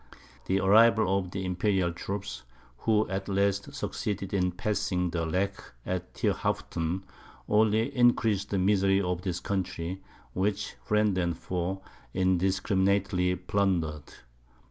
The arrival of the Imperial troops, who at last succeeded in passing the Lech at Thierhaupten, only increased the misery of this country, which friend and foe indiscriminately plundered.